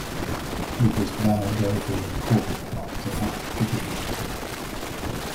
He was bound over in court not to fight again.